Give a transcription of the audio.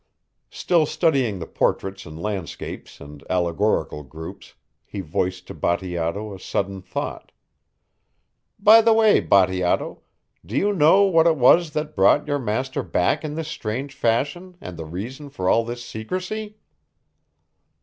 Still studying the portraits and landscapes and allegorical groups, he voiced to Bateato a sudden thought. "By the way, Bateato, do you know what it was that brought your master back in this strange fashion and the reason for all this secrecy?"